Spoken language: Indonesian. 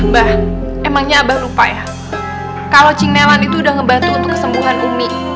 mbah emangnya abah lupa ya kalau ching nelan itu udah ngebantu untuk kesembuhan umi